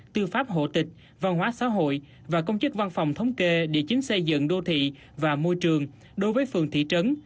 tư pháp hộ tịch văn hóa xã hội và công chức văn phòng thống kê địa chính xây dựng đô thị và môi trường đối với phường thị trấn